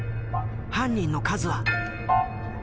犯人の数は？